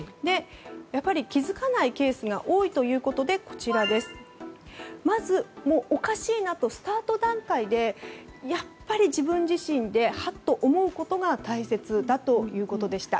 やっぱり気付かないケースが多いということでまず、おかしいなとスタート段階でやっぱり自分自身でハッと思うことが大切だということでした。